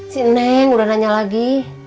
si neng udah nanya lagi